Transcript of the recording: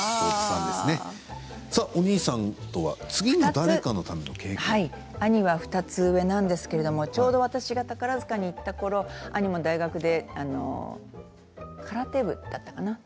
お兄さんとは兄は２つ上なんですけれども、ちょうど私が宝塚に行ったころ兄も大学で空手部だったかな。